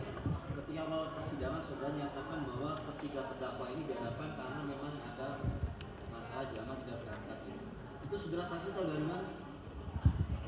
itu saudara saksi atau luar iman